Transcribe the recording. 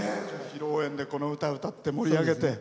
披露宴で、この歌を歌って盛り上げて。